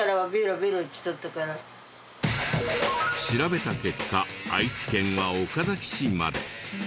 調べた結果愛知県は岡崎市まで。